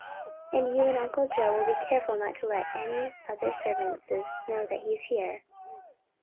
"And you and Uncle Joe will be careful not to let any of the other servants know that he's here?"